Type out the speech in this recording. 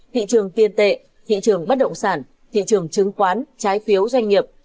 thị trường tiên tệ thị trường bất động sản thị trường chứng khoán trái phiếu doanh nghiệp